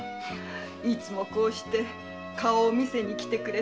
いつもこうして顔を見せに来てくれて。